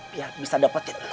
biar bisa dapetin lu